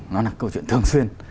nó là câu chuyện thường xuyên